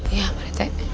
iya pak rete